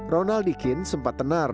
ronald dikin sempat tenang